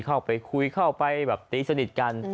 เข้าไปคุยเข้าไปแบบตีสนิทกัน